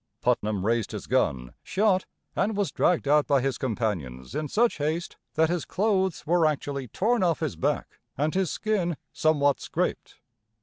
Putnam raised his gun, shot, and was dragged out by his companions in such haste that his clothes were actually torn off his back, and his skin somewhat scraped.